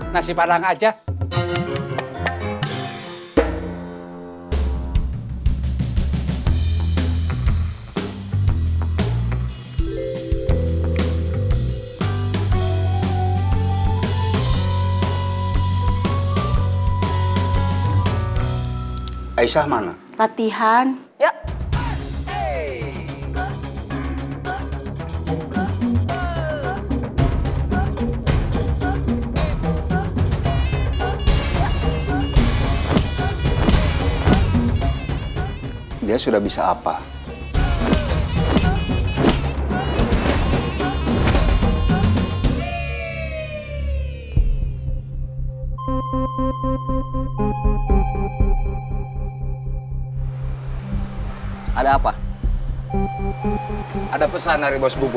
nasi padang aja